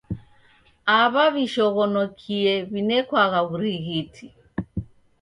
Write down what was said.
Aw'aw'ishoghonokie w'inekwagha w'urighiti.